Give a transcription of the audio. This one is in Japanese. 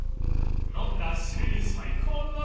［飲んだ締めに最高の鍋！